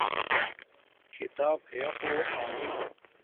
کھیتاپ ہیاپو آنم